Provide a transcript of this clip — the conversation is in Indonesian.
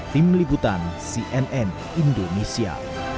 tim liputan cnn indonesia